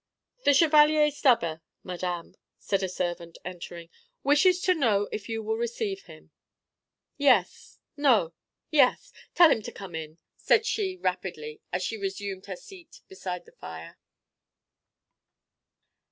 "The Chevalier Stubber, madame," said a servant, entering, "wishes to know if you will receive him." "Yes no yes. Tell him to come in," said, she rapidly, as she resumed her seat beside the fire.